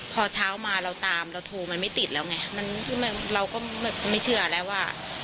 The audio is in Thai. พอเช้ามาเราตามเราโทรมันไม่ติดแล้วไงเราก็ไม่เชื่อแล้วว่า